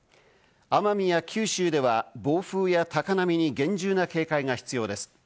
奄美や九州では暴風や高波に厳重な警戒が必要です。